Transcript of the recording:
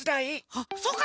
あっそっか！